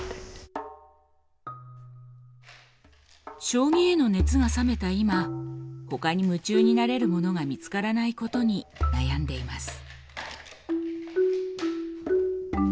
将棋への熱が冷めた今ほかに夢中になれるものが見つからないことに悩んでいます。